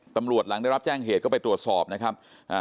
ตำรวจหลังได้รับแจ้งเหตุก็ไปตรวจสอบนะครับ